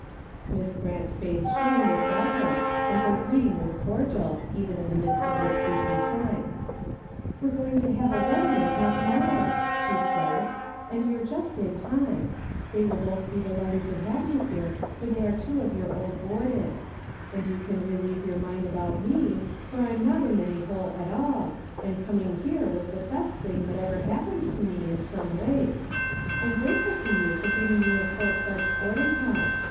" Miss Grant's face shone with welcome and her greeting was cordial, even in the midst of this busy time. DAILY RATEV 343 "We're going to have a wedding in half an hour," she said, " and you're just in time. They will both be delighted to have you here for they are two of your old boarders. And you can relieve your mind about me, for I'm not in any hole at all, and coming here was the best thing that ever happened to me in some ways. I'm grateful to you for giving me a full fledged boarding house.